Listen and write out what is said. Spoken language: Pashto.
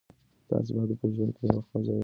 تاسو باید په ژوند کې د وخت او ځای مطابق خبرې وکړئ.